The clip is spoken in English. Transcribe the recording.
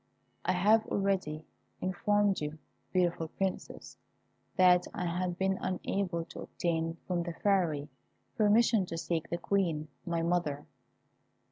I have already informed you, beautiful Princess, that I had been unable to obtain from the Fairy permission to seek the Queen, my mother.